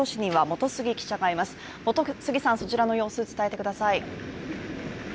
本杉さん、そちらの様子を伝えてください。